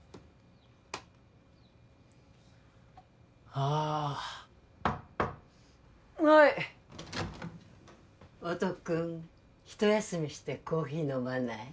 はあっはい音くんひと休みしてコーヒー飲まない？